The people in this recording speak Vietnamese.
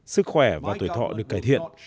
sức khỏe và tuổi thọ được cải thiện